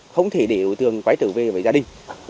không thể để đối tượng quay trở về với gia đình